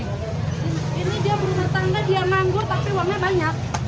ini dia menempat tangga dia nanggur tapi uangnya banyak